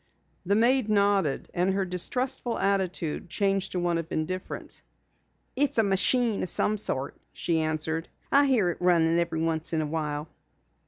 The maid nodded and her distrustful attitude changed to one of indifference. "It's a machine of some sort," she answered. "I hear it running every once in a while."